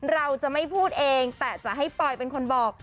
เราจะไม่พูดเองแต่จะให้ปอยเป็นคนบอก